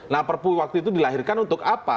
nah perpu waktu itu dilahirkan untuk apa